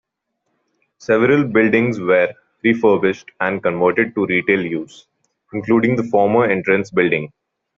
Several buildings were refurbished and converted to retail use, including the former entrance building.